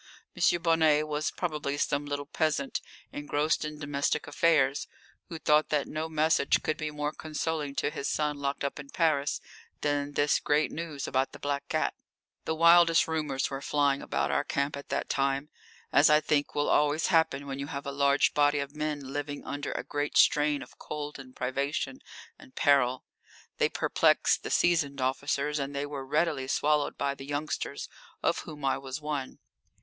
M. Bonnet was probably some little peasant engrossed in domestic affairs, who thought that no message could be more consoling to his son locked up in Paris than this great news about the black cat. The wildest rumours were flying about our camp at that time, as I think will always happen when you have a large body of men living under a great strain of cold and privation and peril. They perplexed the seasoned officers and they were readily swallowed by the youngsters, of whom I was one.